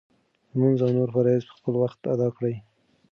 لمونځ او نور فرایض په خپل وخت ادا کړه.